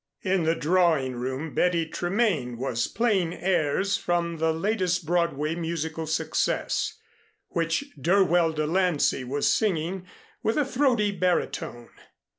In the drawing room Betty Tremaine was playing airs from the latest Broadway musical success, which Dirwell De Lancey was singing with a throaty baritone.